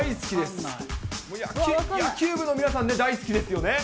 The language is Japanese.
野球部の皆さんね、大好きですよね。